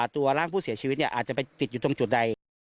ตัวร่างผู้เสียชีวิตอาจจะไปติดอยู่ตรงจุดใด